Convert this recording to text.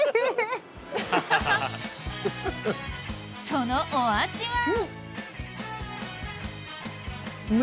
そのお味は？